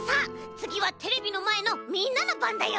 つぎはテレビのまえのみんなのばんだよ。